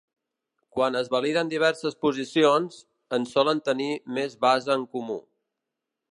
Quan es validen diverses posicions, en solen tenir més base en comú.